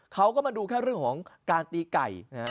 เขาก็มาดูแค่เรื่องของการตีไก่